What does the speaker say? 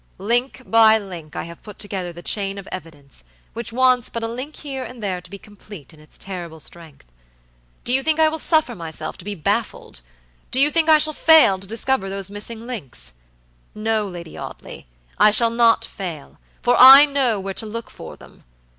Link by link I have put together the chain of evidence, which wants but a link here and there to be complete in its terrible strength. Do you think I will suffer myself to be baffled? Do you think I shall fail to discover those missing links? No, Lady Audley, I shall not fail, for I know where to look for them!